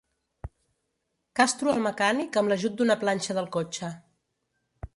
Castro el mecànic amb l'ajut d'una planxa del cotxe.